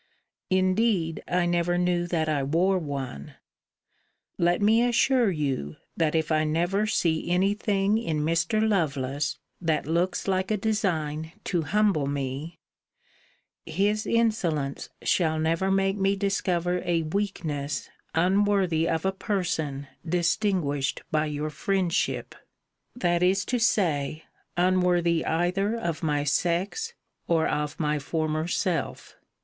Indeed I never knew that I wore one. Let me assure you, that if I never see any thing in Mr. Lovelace that looks like a design to humble me, his insolence shall never make me discover a weakness unworthy of a person distinguished by your friendship; that is to say, unworthy either of my sex, or of my former self.